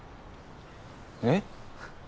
えっ？